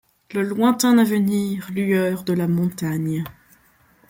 Le lointain avenir, lueur de la montagne